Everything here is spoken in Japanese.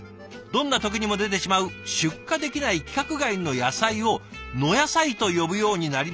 どんな時にも出てしまう出荷できない規格外の野菜を『の野菜』と呼ぶようになり」。